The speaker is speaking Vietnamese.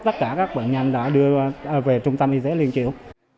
tất cả các bệnh nhân đã đưa về trung tâm y tế liên triểu